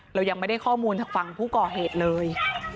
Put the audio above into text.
เรายังไม่ได้ข้อมูลจากฝั่งผู้ก่อเหตุเลย